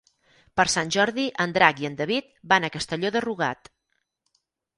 Per Sant Jordi en Drac i en David van a Castelló de Rugat.